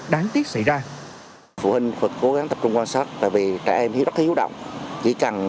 đáng tiếc xảy ra phụ huynh phật cố gắng tập trung quan sát bởi vì trẻ em rất hiếu động chỉ cần